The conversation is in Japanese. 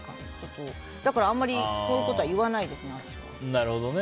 だからあまりこのことは言わないですね。